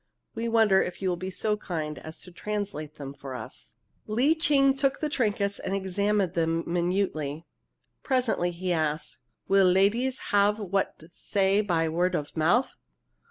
We wonder if you will be so kind as to translate them for us?" Lee Ching took the trinkets and examined them minutely. Presently he asked: "Will ladies have what say by word of mouth?"